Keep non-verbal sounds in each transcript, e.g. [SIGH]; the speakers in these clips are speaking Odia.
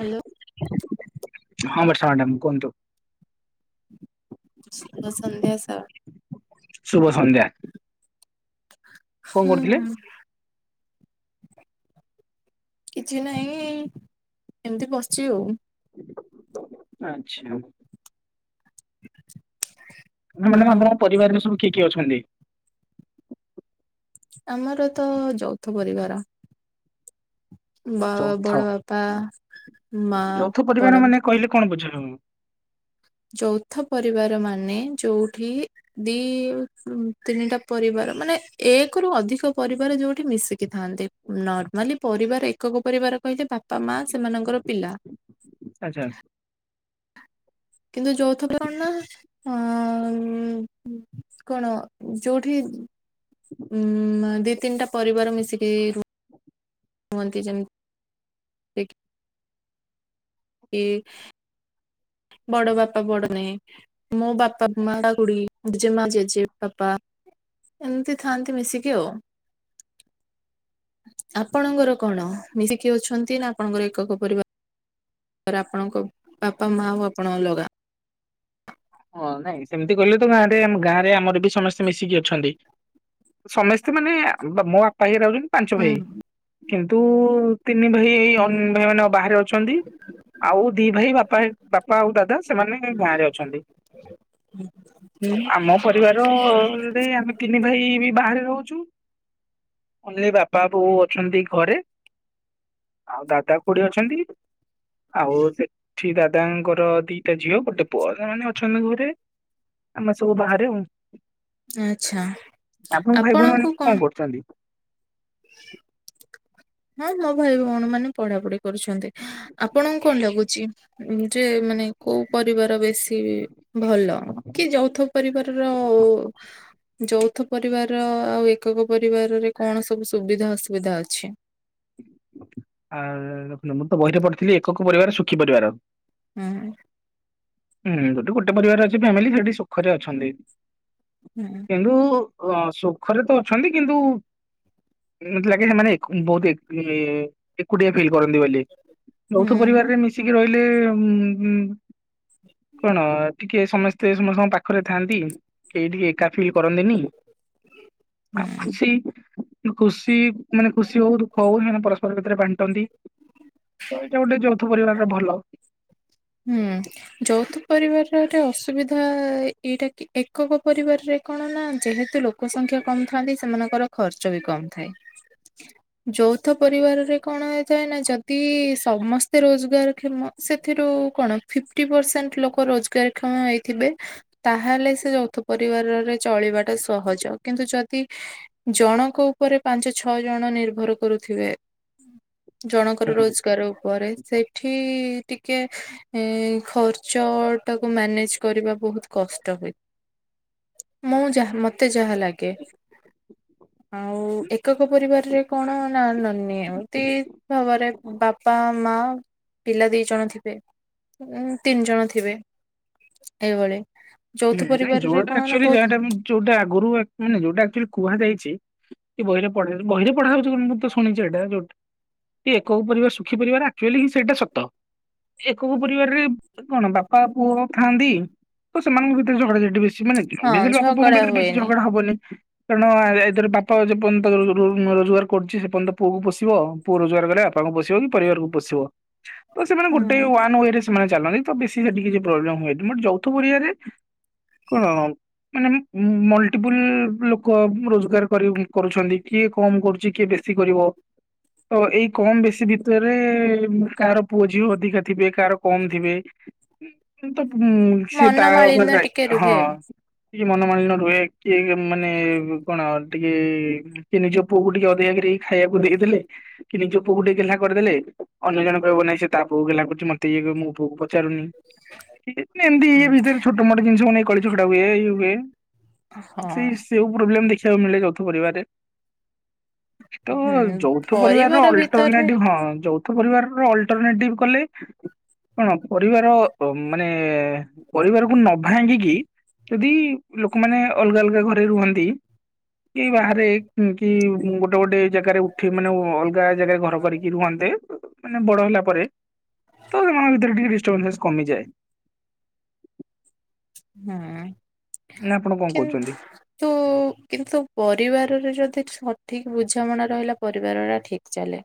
ହାଲୋ। ହଁ ବର୍ଷା ମାଡ଼ାମ୍ କୁହନ୍ତୁ। ଶୁଭ ସନ୍ଧ୍ୟ ସାର୍। ଶୁଭ ସନ୍ଧ୍ୟା। କଣ ହୁଁ। କରୁଥିଲେ? କିଛି ନାହିଁ ଏମତି ବସଚି ଆଉ। ଆଚ୍ଛା। ନାଁ ମାଡ଼ାମ ଆଉ ଆପଣଙ୍କ ପରିବାରରେ ସବୁ କିଏ କିଏ ଅଛନ୍ତି? ଆମର ତ ଯୌଥ ପରିବାର। ବା ବଡ ଯୌଥ ବାପା ମା ଯୌଥ ବଡ ପରିବାର ମାନେ କହିଲେ କଣ ବୁଝ? ହଁ। ଯୌଥ ପରିବାର ମାନେ ଯଉଠି ଦି ତିନିଟା ପରିବା ର ମାନେ ଏକ ରୁ ଅଧିକ ପରିବାର ଯୋଉଠି ମିଶିକି ଥାନ୍ତି ନର୍ମାଲି ପରିବାର ଏକକ ପରି ବାର କହିଲେ ବାପା ମା ସେମାନଙ୍କର ପିଲା। ଆଚ୍ଛା। କିନ୍ତୁ ଯୌଥ କଣ ନାଁ ଅ ଉଁ କଣ ଯୋଉଠି ଉଁ ମା ଦି ତିନିଟା ପରିବାର ମିଶିକି ରୁ ହୁଅନ୍ତି ଯେମ୍ ଏକ୍ ଇ ବଡ଼ ବାପା ବଡ଼ ନେ ମୋ ବାପା ମା ଉଡି ଜେମା ଜେଜେ ବାପା। ଏମତି ଥାଆନ୍ତି ମିଶିକି ଆଉ। ଆପଣଙ୍କର କଣ ମିଶିକି ଅଛନ୍ତି ନାଁ ଆପଣଙ୍କର ଏକକ ପରିବା ରା ଆପଣଙ୍କ ବାପା ମା ଆଉ ଆପଣ ଅଲଗା। ହଁ ନାଇଁ ସେମତି କହିଲେ ତ ଗାଁରେ ଆମ ଗାଁରେ ଆମର ବି ସମସ୍ତେ ମିଶିକି ଅଛନ୍ତି। ସମେସ୍ତେ ମାନେ ବା ମୋ ବାପା ହାଇଆରା ହଉଚନ୍ତି ପାଞ୍ଚ ଭାଇ ହୁଁ। କିନ୍ତୁ ତିନି ଭାଇ ଭାଇ ଏଇ ଅ ଭାଇମାନେ ଅ ବାହାରେ ଅଛନ୍ତି। ଆଉ ଦି ଭାଇ ବାପା ହେ ବାପା ଆଉ ଦାଦା ସେମାନେ ଗାଁରେ ଅଛନ୍ତି। ଆମ ପରିବାର ଯଦି ଆମେ ତିନି ଭାଇ ବି ଇ ବାହାରେ ରହୁଚୁ ଓନ୍ଲି ବାପା ବୋଉ ଅଛନ୍ତି ଘରେ। ଆଉ ଦାଦା ଖୁଡ଼ୀ ଅଛନ୍ତି। ଆଉ ସେଠି ଦାଦାଙ୍କର ଦିଟା ଝିଅ ଗୋଟେ ପୁଅ ସେମାନେ ଅ ଅଛନ୍ତି ଘରେ ଆମେ ସବୁ ବାହାରେ ଆଉ। ଆଚ୍ଛା ଆପଣଙ୍କ ଭାଇ ଭୋଉଣୀ ଆପଣଙ୍କୁ ମାନେ କଣ କଁ କରୁଚନ୍ତି? ହଁ ମୋ ଭାଇ ଭୋଉଣୀ ମାନେ ପଢ଼ାପଢ଼ି କରୁଛନ୍ତି। ଆପଣଙ୍କୁ କଣ ଲାଗୁଚି ଯେ ମାନେ କୋଉ ପରିବାର ବେଶୀ ଭଲ କି ଯୌଥ ପରିବାରର ଯୌଥ ପରିବାର ଆଉ ଏକକ ପରିବାରରେ କଣ ସବୁ ସୁବିଧା ଅସୁବିଧା ଅଛି? ଆ ଦେଖୁନ ମୁଁ ତ ବହିରେ ପଢ଼ିଥିଲି ଏକକ ପରିବାର ସୁଖୀ ପରିବାର। ହୁଁ। ହୁଁ ଯଦି ଗୋଟେ ପରିବାର ଅଛି ଫ୍ୟାମିଲି ସେଠି ସୁଖରେ ଅଛନ୍ତି ହୁଁ କିନ୍ତୁ ଅ ଶୁଖରେ ତ ଅଛନ୍ତି କିନ୍ତୁ ଉଁ ମତେ ଲାଗେ ହେମାନେ ଏକୁ ବୋହୁତ ଏକି ଏକୁଟିଆ ଫିଲ୍ କରନ୍ତି ବୋଲି। ବୌଥ ହୁଁ ପରିବାରରେ ମିଶିକି ରହିଲେ ଉଁ ଉଁ କଣ ଟିକେ ସମସ୍ତେ ସମସ୍ତଙ୍କ ପାଖରେ ଥାଆନ୍ତି କେହି ଟିକେ ଏକା ଫିଲ୍ କରନ୍ତିନି‌। ହୁଁ ସି ନୁ ଖୁସି ମାନେ ଖୁସି ହଉ ଦୁଃଖ ହଉ ହେମାନେ ପରସ୍ପର ଭିତରେ ବାଣ୍ଟନ୍ତି। ତ ଏଇଟା ଗୋଟେ ଯୌଥ ପରିବାରର ଭଲ। ହୁଁ ଯଉଥ ପରିବାରରେ ଅସୁ ଏଇଟା ଏଇଟାକି ଏକକ ପରିବାରରେ କଣ ନା ଯେହେତୁ ଲୋକ ସଂଖ୍ୟା କମ ଥାନ୍ତି ସେମାନଙ୍କର ଖର୍ଚ୍ଚ ବି କମ ଥାଏ। ଯୌଥ ପରିବାରରେ କଣ ହେଇଥାଏ ନା ଯଦି ସମସ୍ତେ ରୋଜଗାର କ୍ଷମ ସେଥିରୁ କଣ ଫିଫ୍ଟି ପରସେଣ୍ଟ ଲୋକ ରୋଜଗାରକ୍ଷମ ହେଇଥିବେ ତାହେଲେ ସେ ଯୌଥ ପରିବାରରେ ଚଳିବାଟା ସହଜ କିନ୍ତୁ ଯଦି ଜଣଙ୍କ ଉପରେ ପାଞ୍ଚ ଛଅ ଜଣ ନିର୍ଭର କରୁ ଥିବେ ଜଣଙ୍କର ହୁଁ। ରୋଜଗାର ଉପରେ ସେଠି ଟିକେ ଏ ଖର୍ଚ୍ଚ ଟାକୁ ମ୍ୟାନେଜ କରିବା ବହୁତ କଷ୍ଟ ହୁଏ। ମୁଁ ଯାହା ମତେ ଯାହା ଲାଗେ ଆଉ ଏକକ ପରିବାରରେ କଣ ନା ନିହାତି ଭାବରେ ବାପା ମା ପିଲା ଦି ଜଣ ଥିବେ ଉ ତିନି ଜଣ ଥିବେ ଏଇଭଳି ଯୌଥ ହୁଁ ନାଇଁ ପରିବାରରେ ଯୋଉଟାରେ କଣ ନା ଆକ୍ଚୁଆଲି ବହୁତ ଯାହାଟା ବି ଯଉଟା ଆଗରୁ ମାନେ ଯୋଉଟା ଆକ୍ଚୁଆଲି କୁହାଯାଇ ଚି କି ବହିରେ ପଢ଼ା ବହିରେ ପଢା ହଉଛି ମୁଁ ତ ଶୁଣିଛି ଏଇଟା ଯୋଉଟା ଏ ଏକକ ପରିବାର ସୁଖୀ ପରିବାର ଆକ୍ଚୁଆଲି ସେଇଟା ସତ। ଏକକ ପରିବାରରେ ଉ କଣ ବାପା ପୁଅ ଥାଆନ୍ତି। ତ ସେମାନଙ୍କ ଭିତରେ ଝଗଡା ଝାଟି ବେଶୀ ମାନେ କୁ ହଁ ଅବସିଲ୍ ବାପ ପୁଅଙ୍କ ଝଗଡା ଭିତରେ ବେଶୀ ହୁଏନି। ଝଗଡା ହବନି। କାରଣ ଏ ଏଥିରେ ବାପା ଯେପର୍ଯ୍ୟନ୍ତ ରୋ ନରୋଜଗାର କରୁଛି ସେପର୍ଯ୍ୟନ୍ତ ପୁଅକୁ ପୋଷିବ ପୁଅ ରୋଜଗାର କଲେ ବା ବାପାଙ୍କୁ ପୋଷିବ କି ପରିବାରକୁ ପୋଷିବ? ତ ସେମାନେ ହୁଁ ଗୋଟେ ୱାନ୍ ଓୟେ ରେ ସେମାନେ ଚାଲନ୍ତି ତ ବେଶୀ ସେଠି କିଛି ପ୍ରୋବ୍ଲେମ ହୁଏନି ବଟ୍ ଯୌଥ ପରିବାର ରେ [INAUDIBLE] କଣ ମାନେ ମଲଟିପୁଲ ଉ ଲୋକ ରୋଜଗାର କରି କରୁଛନ୍ତି କିଏ କମ କରୁଛି କିଏ ବେ ଶୀ କରିବ। ତ ଏଇ କମ ବେଶୀ ଭିତରେ କାହାର ପୁଅ ଝିଅ ଅଧିକା ଥିବେ କାହାର କମ ଥିବେ। ତ ଉ ସେ ମନ ତା ଉପରେ ମାଳିନ୍ୟ ଟିକେ ଦାୟୀତ୍ୱ ହଁ। ରୁହେ ଆଉ କି ମନମାଳିନ ରୁହେ କିଏ ମାନେ କଣ ଟିକେ କିଏ ନିଜ ପୁଅକୁ ଟିକେ ଅଧିକାରି ଖାଇବାକୁ ଦେଇ ଦେଲେ କି ନିଜ ପୁଅକୁ ଟିକେ ଗେହ୍ଲା କରିଦେଲେ ଅନ୍ୟ ଜଣ କହିବ ନାଇ ସେ ତା ପୁଅକୁ ଗେହ୍ଲା କରୁଛି ମତେ ଇଏ ବି ମୋ ପୁଅକୁ ପଚାରୁନି ଏମିତି ଇଏ ହୁଁ ଭିତରେ ଛୋଟ ମୋଟ ଜିନିଷକୁ ନେଇ କଳି ଝଗଡ଼ା ହୁଏ ଇଏ ହୁଏ ହଁ। ସେଇ ସେଉ ପ୍ରୋବ୍ଲେମ୍ ଦେଖି ଦେଖିବାକୁ ମିଳେ ଯୌଥ ପରିବାରରେ। ତ ହୁଁ ଯୌଥ ପରିବାରର ପରିବାର ଭିତରେ ଅଲଟରନେଟିଭ ହଁ ଯୌ ଯୌଥ ପରିବାରର ଅଲଟରନେଟିଭ କଲେ କଣ ପରିବାର ମାନେ ପରିବାରକୁ ନ ଭାଙ୍ଗିକି ଯଦି ଲୋକମାନେ ଅଲଗା ଅଲଗା ଘରେ ରୁହନ୍ତି। ଏ ବାହାରେ କି ଗୋଟେ ଗୋଟେ ଜାଗାରେ ଉଠି ମାନେ ଅଲଗା ଜାଗାରେ ଘର କରିକି ରୁହନ୍ତେ ମାନେ ବଡ ହେଲା ପରେ ତ ସେମାନଙ୍କ ଭିତରେ ଟିକେ ଡିଷ୍ଟରବାନସ୍ କମିଯାଏ। ହୁଁ। ନା ଆପଣ କଣ କହୁଛନ୍ତି? କିନ୍ତୁ କିନ୍ତୁ ପରିବାରରେ ଯଦି ସ ସଠିକ୍ ବୁଝାମଣା ରହିଲା ପରିବାର ଟା ଠିକ୍ ଚାଲେ।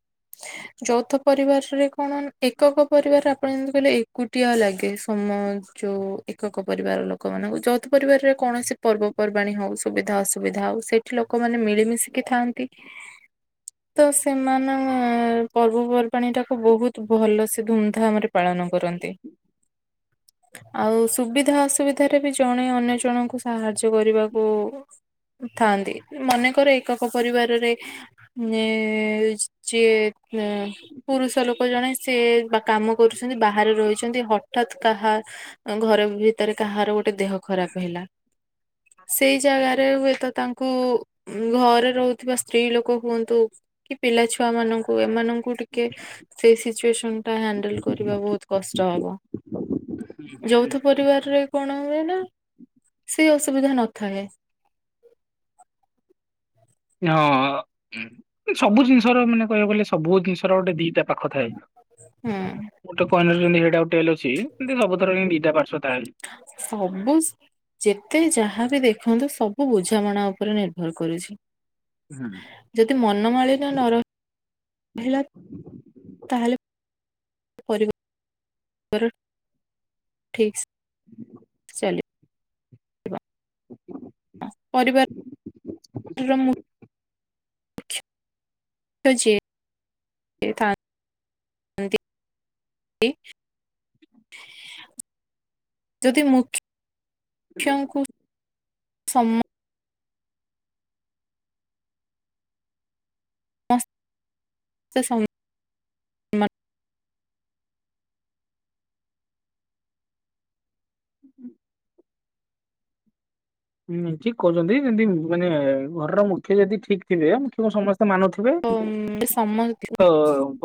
ଯୌଥ ପରିବାରରେ କଣ ଏକକ ପରିବାର ଆପଣ ଯେମିତି କହିଲେ ଏକୁଟିଆ ଲାଗେ ସମ ମ ଚୁ ଏକକ ପରିବାର ଲୋକମାନଙ୍କୁ ଯୌଥ ପରିବାରରେ କୌଣସି ପର୍ବ ପର୍ବାଣୀ ହଉ ସୁବିଧା ଅସୁବିଧା ହଉ ସେଇଠି ଲୋକମାନେ ମିଶି ମିଳିମିଶିକି ଥାଆନ୍ତି। ତ ସେମାନେ ପର୍ବପର୍ବାଣୀ ଟାକୁ ବହୁତ ଭଲ ସେ ଧୁମଧାମ ରେ ପାଳନ କରନ୍ତି ଆଉ ସୁବି ସୁବିଧା ଅସୁବିଧାରେ ବି ଜଣେ ଅନ୍ୟ ଜଣଙ୍କୁ ସାହାଯ୍ୟ କରିବାକୁ ଥାଆନ୍ତି ମନେକରେ ଏକକ ପରିବାରରେ ଏ ଯିଏ ପୁରୁଷ ଲୋକ ଜଣେ ସିଏ କାମ କରୁଛନ୍ତି ବାହାରେ ରହିଛନ୍ତି ହ ହଠାତ୍ କାହା ଘର ଭିତରେ କାହାର ଗୋଟେ ଦେହ ଖରାପ ହେଲା ସେଇ ଜାଗାରେ ହୁଏତ ତାଙ୍କୁ ଘରେ ରହୁଥିବା ସ୍ତ୍ରୀ ଲୋକ ହୁଅନ୍ତୁ କି ପିଲା ଛୁଆ ମାନଙ୍କୁ ଏମାନଙ୍କୁ ଟିକେ ସେଇ ସିଚୁଏସନ ଟା ହ୍ୟାଣ୍ଡେଲ କରିବା ବହୁତ କଷ୍ଟ। ହାଲୋ। ଉ ହୁଁ। କିଏ କଣ ହୁଏ ନା ସେ ଅସୁବିଧା ନଥାଏ। ହଁ ସବୁ ଜିନିଷର ମାନେ କହିବାକୁ ଗଲେ ସବୁ ଜିନିଷର ଗୋଟେ ଦିଟା ପାଖ ଥାଏ ହୁଁ ଗୋଟେ କଏନର ଯେମିତି ହେଇଟା ଟେଲ ଅଛି ହେମିତି ସବୁଥର ହିଁ ଦିଟା ପାର୍ଶ୍ୱ ଥାଏ। ସବୁ ଯେତେ ଯାହା ବିି ଦେଖନ୍ତୁ ସବୁ ବୁଝାମଣା ଉପରେ ନିର୍ଭର କରୁଛି। ଯଦି ମନମାଳିନ ନ ରହେ ରହିଲା ତାହେଲେ କରିବ [UNINTELLIGIBLE] ଠିକସ୍ ଚାଲି ପରିବାରର ଚାଲିଛି [UNINTELLIGIBLE] [UNINTELLIGIBLE] ଯଦି ମୁଖ୍ୟ ହ ସମ୍ [UNINTELLIGIBLE] ସେ ସମ୍ ମ ହୁଁ ଠିକ କହୁଛନ୍ତି ଯେମିତି ମାନେ ଘରର ମୁଖ୍ୟ ଯଦି ଠିକ ଥିବେ ମୁଖ୍ୟ ସମସ୍ତେ ମାନୁଥିବେ ସମସ୍ତ ତ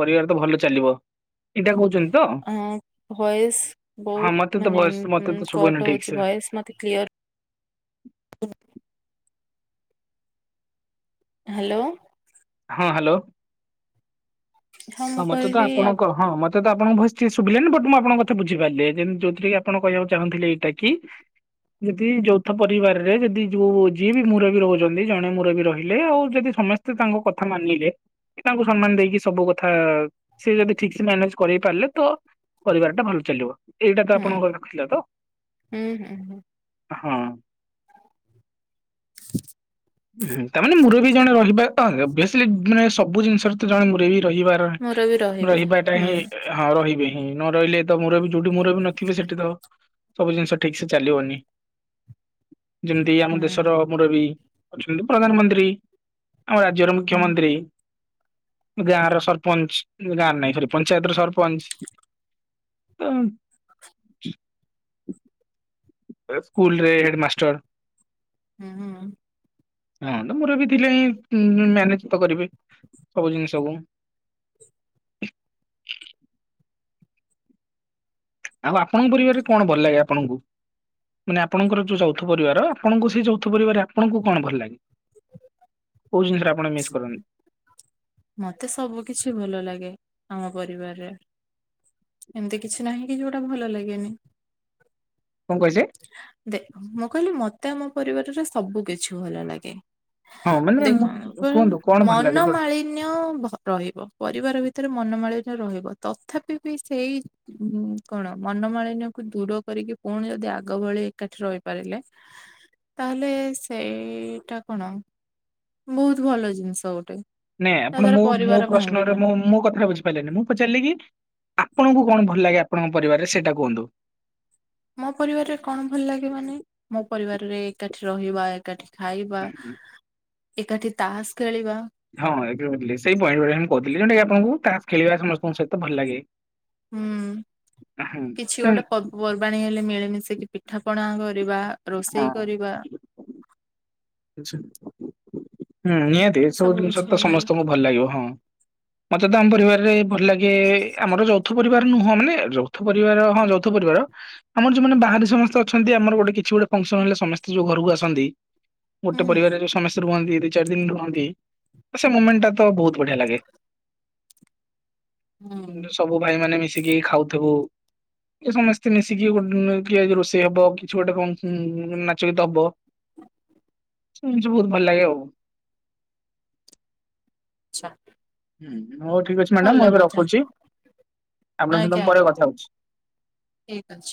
ପରିବାର ତ ଭଲ ଚାଲିବ। ଏଇଟା କହୁଛନ୍ତି ତ? ଅ ଭଏସ ହଁ ବହୁତ ମତେ ତ ମାନେ ଭଏସ ମତେ ତ ଶୁଭୁନି କଟ ଠିକ ହଉଛି ସେ। ଭଏସ [UNINTELLIGIBLE] ମତେ କ୍ଲିୟର ହ୍ୟାଲୋ। ହଁ ହ୍ୟାଲୋ ହଁ ମୁଁ ମତେ ତ କହିଲି ଆପଣଙ୍କ ହଁ ମତେ ତ ଆପ ଆପଣଙ୍କ ଭଏସ୍ ଠିକ୍ ସେ ଶୁଭିଲାନି ବଟ୍ ମୁଁ ଆପଣଙ୍କ କଥା ବୁଝିପାରିଲି ଯେମିତିକି କିପଣ କହିବାକୁ ଚାହୁଁଥିଲେ ଏଇଟା କି ଯଦି ଯୌଥ ପରିବାରରେ ଯଦି ଯୋଉ ଯିଏ ବି ମୁରବି ରହୁଛନ୍ତି ଜଣେ ମୁରବି ରହିଲେ ଆଉ ଯଦି ସମସ୍ତେ ତାଙ୍କ କ କଥା ମାନିଲେ ତାଙ୍କୁ ସମ୍ମାନ ଦେଇକି ସବୁ କଥା ସେ ଯଦି ଠିକ୍ ସେ ମ୍ୟାନେଜ କରେଇ ପାରିଲେ ତ ପରିବାର ଟା ଭଲ ଚାଲିବ ଏଇଟା ତ ହୁଁ ଆପଣଙ୍କ ରଖଥିଲା ତ। ହୁଁ ହୁଁ ହୁଁ। ହଁ। ହୁଁ ତା ମାନେ ମୁରବି ଜଣେ ରହିବା ତ ଓବିଅସିଲି ମାନେ ସବୁ ଜିନିଷରେ ତ ଜଣେ ମୁରବି ରହିବାର ମୋର ବି ରହିବେ ରହିବାଟା ହୁଁ ହିଁ ହଁ ରହିବେ। ହୁଁ ନ ରହିଲେ ତ ମୁରବି ଯୋଉଠି ମୁରବି ନଥିବେ ସେଠି ତ ସବୁ ଜିନିଷ ଠିକ୍ ସେ ଚାଲିବନି। ଯେମିତି ଆମ ହୁଁ ଦେଶର ମୁରବି ଅଛନ୍ତି ପ୍ରଧାନମନ୍ତ୍ରୀ। ଆମ ରାଜ୍ୟର ହୁଁ ମୁଖ୍ୟମନ୍ତ୍ରୀ ଗାଁ ର ସରପଞ୍ଚ ଗାଁରେ ନାହିଁ ସରି ପଞ୍ଚାୟତ ର ସରପଞ୍ଚ। ହୁଁ ଏ ସ୍କୁଲ୍ ରେ ହେଡ ମାଷ୍ଟର ହୁଁ। ହଁ। ମୋର ବି ଥିଲା ଏଇ [UNINTELLIGIBLE] ମ୍ୟାନେଜ୍। ମୁକ୍ତ କରିବି ସବୁ ଜିନିଷକୁ। ଆଉ ଆପଣଙ୍କ ପରିବାରରେ କଣ ଭଲ ଲାଗେ ଆପଣଙ୍କୁ? ମାନେ ଆପଣଙ୍କର ଯୋଉ ଯୌଥ ପରିବାର ଆପଣଙ୍କୁ ସେଇ ଯୌଥ ପରିବାରରେ ଆପଣଙ୍କୁ କଣ ଭଲ ଲାଗେ? [INAUDIBLE] କୋଉ ଜିନିଷରେ ଆପଣ ମିସ୍ କରନ୍ତି ମତେ ସବୁ କିଛି ଭଲ ଲାଗେ। ଆମ ପରିବାରରେ ଏମିତି କିଛି ନାହିଁ କି ଯୋଉଟା ଭଲ ଲାଗେନି। କଣ କହିଲେ ଦେ ମୁଁ କହିଲି ମତେ ଆମ ପରିବାରରେ ସବୁ କିଛି ଭଲ ଲାଗେ। ହଁ। ମାନେ ମୁଁ କୁହନ୍ତୁ କଣ ଦେଖନ୍ତୁ ଭଲ ଲାଗେ ଯୋ ମନମାଳିନ୍ୟ ରହିବ ପରିବାର ଭିତରେ ମନମାଳିନ୍ ରହିବ ତଥାପି ବି ସେଇ କଣ ମନମାଳିନ୍ୟକୁ ଦୂର କରିକି ପୁଣି ଯଦି ଆଗ ଗ ଭଳି ଏକାଠି ରହିପାରିଲେ ତାହେଲେ ସେଇଟା କଣ ବହୁତ ଭଲ ଜିନିଷ ଗୋଟେ। ନାଇଁ ତା ଆପଣ ଦ୍ଵାରା ମୁଁ ମୋ ପରିବାର ପ୍ରଶ୍ନରେ ଭାଙ୍ଗିବନି। ମୁ ମୋ କଥା ବୁଝିପାଇଲେନି ମୁଁ ପଚାରିଲି କି ଆପଣଙ୍କୁ କଣ ଭଲ ଲାଗେ? ଆପଣଙ୍କ ପରିବାରରେ ସେଇଟା କୁହନ୍ତୁ। ମୋ ପରିବାରରେ କଣ ଭଲ ଲାଗେ ମାନେ ମୋ ପରିବାରରେ ଏକାଠି ରହିବା ଏକାଠି ଖାଇବା ଏକାଠି ତାସ୍ ଖେଳିବା ହଁ ସେଇ ପଏଣ୍ଟ୍ ଗୁଡାକ କହୁଥିଲି ଯେଉଟାକି ଆପଣଙ୍କୁ ତାସ୍ ଖେଳିବାକୁ ଲୋକଙ୍କ ସହିତ ଭଲ ଲାଗେ। ହୁଁ ହୁଁ କିଛି ସେମ୍ ଗୋଟେ ପର୍ବପର୍ବାଣୀ ହେଲେ ମିଳେ। ମିଶିକି ପିଠା ପଣା କରିବା, ହଁ ରୋଷେଇ କରିବା। ଆଚ୍ଛା। ହୁଁ ନିହାତି ଏ ସବୁ ଜିନିଷ କିଛି ତ ଭଲ ଲାଗେ ସମସ୍ତଙ୍କୁ ଭଲ ଲାଗିବ ହଁ ମତେ ତ ଆମ ପରିବାରରେ ଭଲ ଲାଗେ ଆମର ଯୌଥ ପରିବାର ନୁହଁ ମାନେ ଯୌଥ ପରିବାର ହଁ ଯୌଥ ପରିବାର ଆମର ଯୋଉମାନେ ବାହାରେ ସମସ୍ତେ ଅଛନ୍ତି ଆମର ଗୋଟେ କିଛି ଗୋଟେ ଫଙ୍କ୍ସନ୍ ହେଲେ ସମସ୍ତେ ଯୋଉ ଘରକୁ ଆସନ୍ତି, ଗୋଟେ ହୁଁ। ପରିବାରରେ ଯୋଉ ସମସ୍ତେ ରୁହନ୍ତି। ଦୁଇ ଚାରି ଦିନ ରୁହନ୍ତି ସେ ମୋମେଣ୍ଟ୍ ଟା ତ ବହୁତ ବଢିଆ ଲାଗେ। ହୁଁ ସବୁ ଭାଇ ମାନେ ମିଶିକି ଖାଉଥିବୁ। ସମସ୍ତେ ମିଶିକି ଗୋଟେ କିଏ ରୋଷେଇ ହବ କିଛି ଗୋଟେ ନାଚ ଗୀତ ହବ। [INAUDIBLE] ଶୁଣିଛୁ ବହୁତ ଭଲ ଲାଗେ ଆଉ ଆଛା। ହୁଁ ହଉ ଠିକ୍ ଅଛି ମ୍ୟାଡାାମ ଭଲ ମୁଁ ଏବେ କଥା ରଖୁଚି। ଆପଣ ସହିତ ଆଜ୍ଞା ମୁଁ ପରେ ଆଜ୍ଞା କଥା ହଉଛି। ଠିକ ଅଛି।